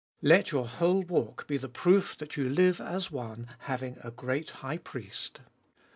Let your whole walk be the proof that you live as one, having a great High Priest.